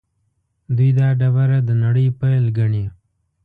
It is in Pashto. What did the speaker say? دوی دا ډبره د نړۍ پیل ګڼي.